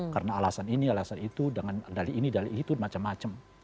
karena alasan ini alasan itu dengan dali ini dali itu macam macam